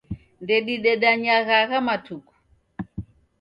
Ndedidedanyagha agha matuku